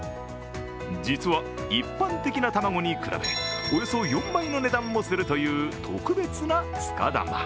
実は、一般的な卵に比べ、およそ４倍の値段もするという特別な塚だま。